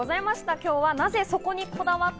今日は、なぜそこにこだわった？